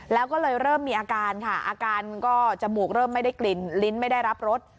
แล้วก็เลยเริ่มมีอาการค่ะอาการก็จมูกเริ่มไม่ได้กลิ่นลิ้นไม่ได้รับรส